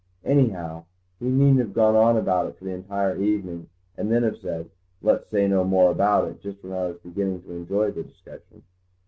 "Anyhow, he needn't have gone on about it for the entire evening and then have said, 'Let's say no more about it' just when I was beginning to enjoy the discussion.